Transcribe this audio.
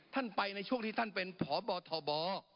ท่านไปในช่วงที่ท่านเป็นพบทบ